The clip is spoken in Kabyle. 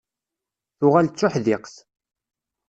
Tuɣal d tuḥdiqt.